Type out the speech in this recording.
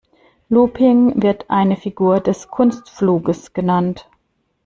Looping wird eine Figur des Kunstfluges genannt.